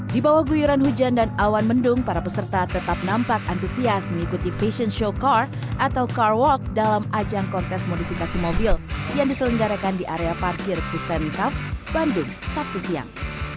di bawah guyuran hujan dan awan mendung para peserta tetap nampak antusias mengikuti fashion showcar atau car walk dalam ajang kontes modifikasi mobil yang diselenggarakan di area parkir kusentrav bandung sabtu siang